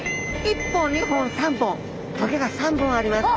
１本２本３本棘が３本あります。